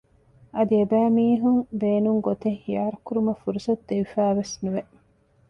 އަދި އެބައިމީހުން ބޭނުންގޮތެއް ޚިޔާރުކުރުމަށް ފުރުސަތު ދެވިފައިވެސް ނުވެ